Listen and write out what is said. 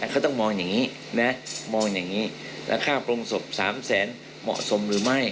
เขาต้องมองอย่างงี้แล้วค่าโปรงศพ๓๐๐๐๐๐นี่เหมาะสมหรือไม่